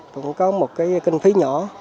cũng có một cái kinh phí nhỏ